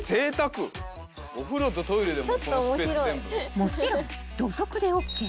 ［もちろん土足でＯＫ］